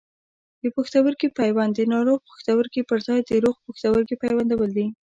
د پښتورګي پیوند د ناروغ پښتورګي پر ځای د روغ پښتورګي پیوندول دي.